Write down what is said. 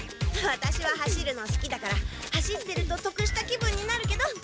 ワタシは走るのすきだから走ってるととくした気分になるけど。